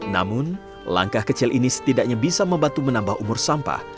namun langkah kecil ini setidaknya bisa membantu menambah umur sampah